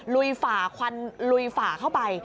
ลุยฝ่าควันลุยฝ่าเข้าไป